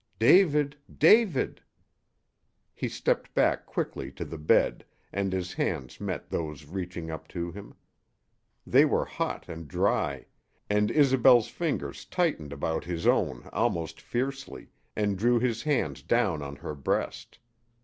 "David David " He stepped back quickly to the bed and his hands met those reaching up to him. They were hot and dry, and Isobel's fingers tightened about his own almost fiercely, and drew his hands down on her breast.